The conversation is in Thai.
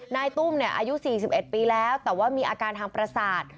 นายตุ้มเนี้ยอายุสี่สิบเอ็ดปีแล้วแต่ว่ามีอาการทางประสาท